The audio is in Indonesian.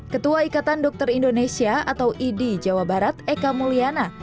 ketua ikatan dokter indonesia atau idi jawa barat eka mulyana